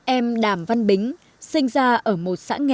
em đàm văn bính sinh ra ở một xã nghèo